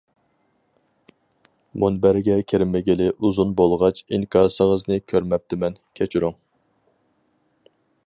مۇنبەرگە كىرمىگىلى ئۇزۇن بولغاچ ئىنكاسىڭىزنى كۆرمەپتىمەن، كەچۈرۈڭ.